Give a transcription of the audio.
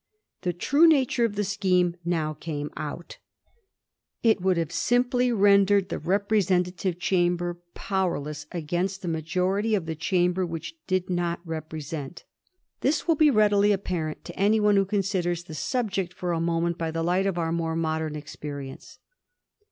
The true nature of the scheme now came out. It would have simply rendered the representative chamber powerless against a majority of the chamber which did not represent. This will Digiti zed by Google 230 A HISTORY OF THE FOUB GEORGES. oh. !• be readily apparent to any one who considers the sub ject for a moment by the light of our more modem experience.